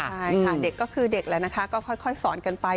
ใช่ค่ะเด็กก็คือเด็กแล้วนะคะก็ค่อยสอนกันไป